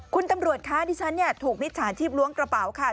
คุณตำรวจคะดิฉันถูกมิจฉาชีพล้วงกระเป๋าค่ะ